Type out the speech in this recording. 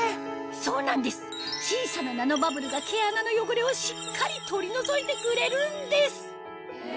小さなナノバブルが毛穴の汚れをしっかり取り除いてくれるんです